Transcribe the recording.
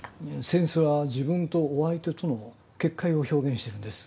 扇子は自分とお相手との結界を表現してるんです。